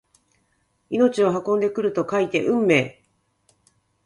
命を運んでくると書いて運命！